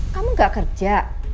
kamu gak kerja